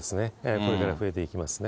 これから増えていきますね。